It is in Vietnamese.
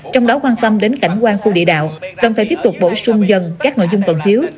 trong đó quan tâm đến cảnh quan khu địa đạo đồng thời tiếp tục bổ sung dần các nội dung còn thiếu